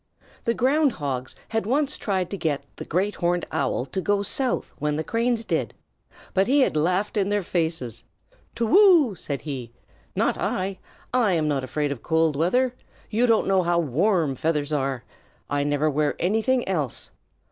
The Ground Hogs had once tried to get the Great Horned Owl to go south when the Cranes did, and he had laughed in their faces. "To whoo!" said he. "Not I! I'm not afraid of cold weather. You don't know how warm feathers are. I never wear anything else.